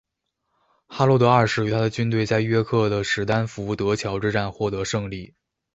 哈洛德二世与他的军队在约克的史丹福德桥之战获得胜利。